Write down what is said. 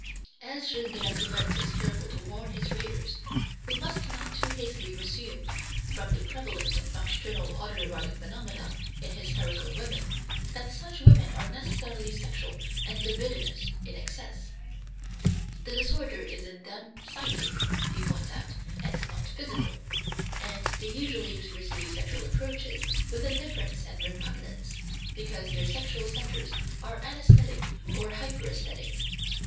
As Gilles de la Tourette is careful to warn his readers, we must not too hastily assume, from the prevalence of nocturnal auto erotic phenomena in hysterical women, that such women are necessarily sexual and libidinous in excess; the disorder is in them psychic, he points out, and not physical, and they usually receive sexual approaches with indifference and repugnance, because their sexual centres are anæsthetic or hyperæsthetic.